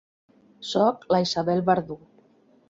Soc la Isabel Verdú.